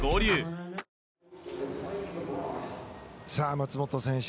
松元選手